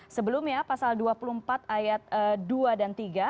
sebelumnya pasal dua puluh empat ayat dua dan tiga